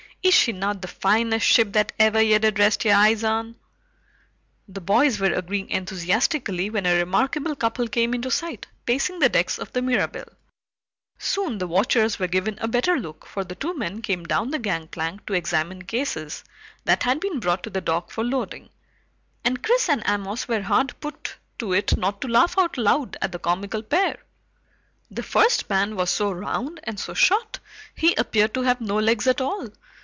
Is she not the finest ship that ever ye did rest your eyes on?" The boys were agreeing enthusiastically when a remarkable couple came into sight, pacing the decks of the Mirabelle. Soon the watchers were given a better look, for the two men came down the gangplank to examine cases that had been brought to the dock for loading, and Chris and Amos were hard put to it not to laugh out loud at the comical pair. The first man was so round and so short he appeared to have no legs at all.